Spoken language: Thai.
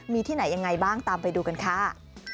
มีที่ไหนยังไงบ้างตามไปดูกันค่ะ